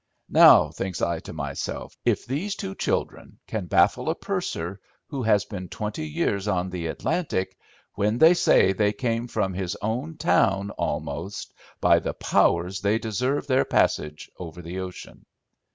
Now, thinks I to myself, if these two children can baffle a purser who has been twenty years on the Atlantic when they say they came from his own town almost, by the powers they deserve their passage over the ocean.